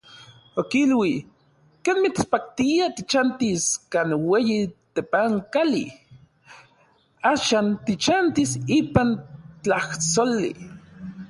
Okilui: "Ken mitspaktia tichantis kan ueyi tepankali, axan tichantis ipan tlajsoli".